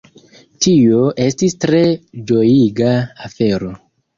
Tio estis tre ĝojiga afero.